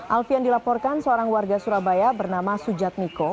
alfian dilaporkan seorang warga surabaya bernama sujat miko